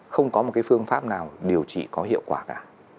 không có một cái phương pháp nào điều trị có hiệu quả cả